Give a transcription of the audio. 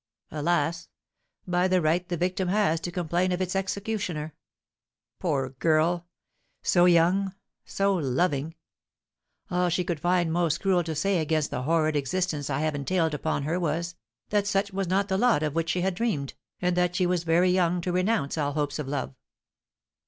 alas, by the right the victim has to complain of its executioner! Poor girl! So young, so loving! All she could find most cruel to say against the horrid existence I have entailed upon her was, that such was not the lot of which she had dreamed, and that she was very young to renounce all hopes of love!